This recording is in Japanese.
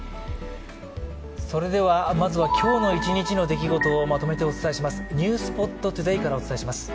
それではまずは今日一日の出来事をまとめてお伝えします「ｎｅｗｓｐｏｔＴｏｄａｙ」からお伝えします。